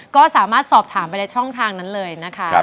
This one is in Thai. ก็สามารถสอบถามไปในช่องทางนั้นเลยนะคะ